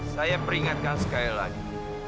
saya peringatkan sekali lagi